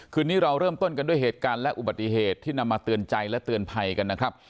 คืนนี้เราเริ่มต้นกันด้วยเหตุการณ์และอุบัติเหตุที่นำมาเตือนใจและเตือนภัยกันนะครับ